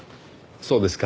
そうですか。